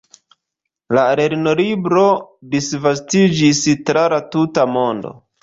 La lernolibro disvastiĝis tra la tuta mondo.